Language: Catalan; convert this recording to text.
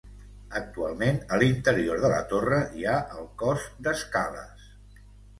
Actualment a l'interior de la torre hi ha el cos d'escales.